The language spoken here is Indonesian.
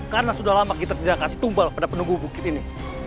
karena sudah lama kita tidak kasih tumbal pada penunggu bukit ini